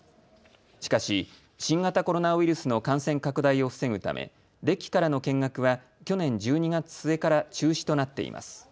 しかし新型コロナウイルスの感染拡大を防ぐためデッキからの見学は去年１２月末から中止となっています。